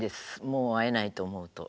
もう会えないと思うと。